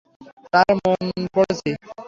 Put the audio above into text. তার মন পড়েছি।